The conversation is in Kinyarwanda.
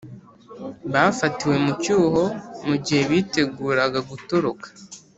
Bafatiwe mu cyuho mugihe biteguraga gutoroka